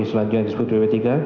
selanjutnya disebut bb tiga